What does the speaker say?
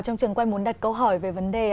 trong trường quay muốn đặt câu hỏi về vấn đề